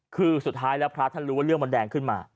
คือสุดท้ายแล้วพระท่านรู้ว่าเรื่องมันแดงขึ้นมา